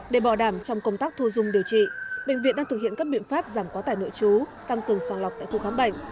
để bỏ đảm trong công tác thu dung điều trị bệnh viện đang thực hiện các biện pháp giảm quá tải nội chú tăng cường sàng lọc tại khu khám bệnh